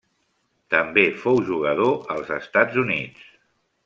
També fou jugador als Estats Units.